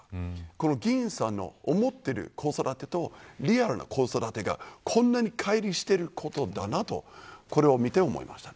この議員さんの思っている子育てとリアルな子育てがこんなに乖離していることだなとこれを見て思いました。